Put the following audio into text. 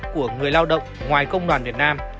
của người lao động ngoài công đoàn việt nam